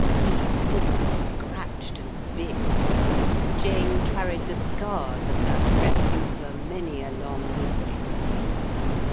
He fought, scratched, and bit. Jane carried the scars of that rescue for many a long week.